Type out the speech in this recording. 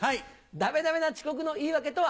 ダメダメな遅刻の言い訳とは？